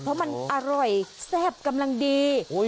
เพราะมันอร่อยแซ่บกำลังดี